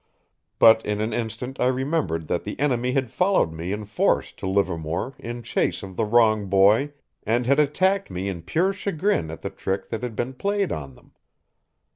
But in an instant I remembered that the enemy had followed me in force to Livermore in chase of the wrong boy, and had attacked me in pure chagrin at the trick that had been played on them.